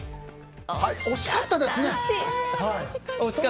惜しかったですね。